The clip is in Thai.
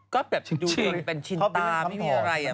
ก็แบบดูชินเป็นชินตาไม่มีอะไรอ่ะ